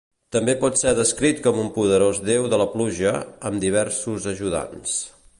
També pot ser descrit com un poderós déu de la pluja, amb diversos ajudants.